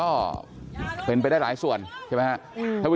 ก็กลายเป็นว่าติดต่อพี่น้องคู่นี้ไม่ได้เลยค่ะ